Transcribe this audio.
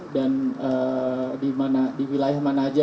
dan di mana di wilayah mana saja